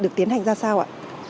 được tiến hành ra sao ạ